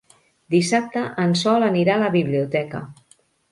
Dissabte en Sol anirà a la biblioteca.